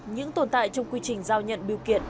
những tồn tại trong quy trình giao nhận biêu kiện